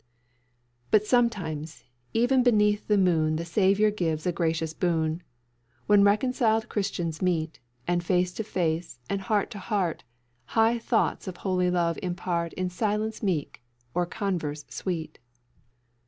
"But sometimes even beneath the moon The Saviour gives a gracious boon, When reconciled Christians meet, And face to face, and heart to heart, High thoughts of Holy love impart In silence meek, or converse sweet.